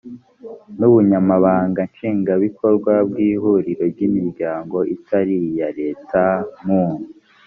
n ubunyamabanga nshingwabikorwa bw ihuriro ry imiryango itari iya leta mu